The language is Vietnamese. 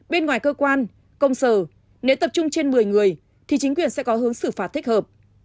bên ngoài cơ quan công sở nếu tập trung trên một mươi người thì chính quyền sẽ có hướng xử phạt thích hợp